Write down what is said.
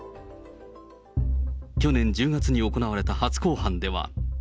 去年１０月に行われた初公判では。